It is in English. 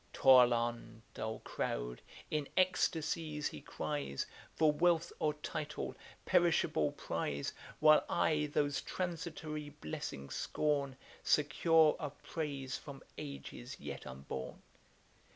'Toil on, dull croud, in extacies he cries, For wealth or title, perishable prize; While I those transitory blessings scorn, Secure of praise from ages yet unborn.'